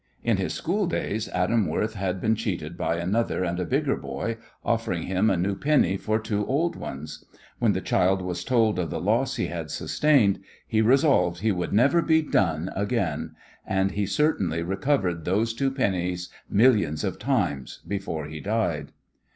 In his school days Adam Worth had been cheated by another and a bigger boy offering him a new penny for two old ones. When the child was told of the loss he had sustained he resolved he would never be "done" again, and he certainly recovered those two pennies millions of times before he died.